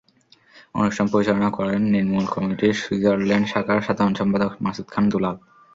অনুষ্ঠান পরিচালনা করেন নির্মূল কমিটির সুইজারল্যান্ড শাখার সাধারণ সম্পাদক মাসুম খান দুলাল।